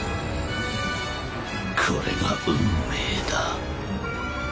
これが運命だ。